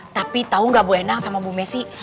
tapi tahu gak bu endang sama bu messi